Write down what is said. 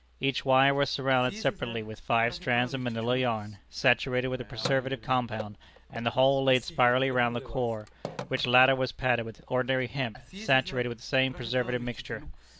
Each wire was surrounded separately with five strands of Manilla yarn, saturated with a preservative compound, and the whole laid spirally round the core, which latter was padded with ordinary hemp, saturated with the same preservative mixture.